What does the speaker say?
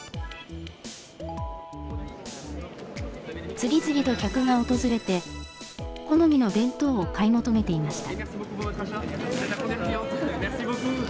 次々と客が訪れて、好みの弁当を買い求めていました。